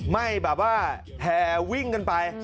ไม่แแห่วิ่งกันไป